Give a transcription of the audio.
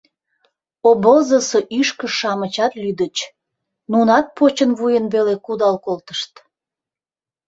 Обозысо ӱшкыж-шамычат лӱдыч — нунат почын-вуйын веле кудал колтышт.